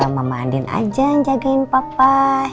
mama andin aja yang jagain papa